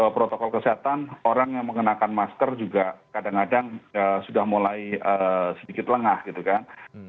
protokol kesehatan orang yang mengenakan masker juga kadang kadang sudah mulai sedikit lengah gitu kan